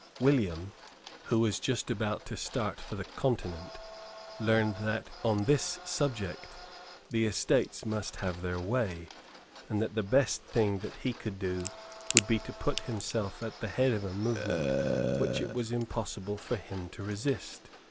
William, who was just about to start for the Continent, learned that, on this subject, the Estates must have their way, and that the best thing that he could do would be to put himself at the head of a movement which it was impossible for him to resist.